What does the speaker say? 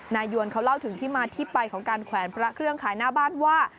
ยวนเขาเล่าถึงที่มาที่ไปของการแขวนพระเครื่องขายหน้าบ้านว่า